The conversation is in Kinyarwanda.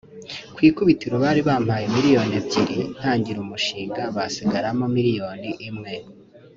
ku ikubitiro bari bampaye miliyoni ebyiri ntangira umushinga bansigaramo miliyoni imwe